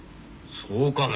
そうかね